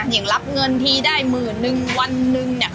อย่างรับเงินทีได้หมื่นนึงวันหนึ่ง